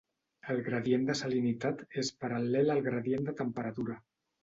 El gradient de salinitat és paral·lel al gradient de temperatura.